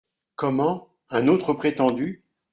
Comment ! un autre prétendu ?…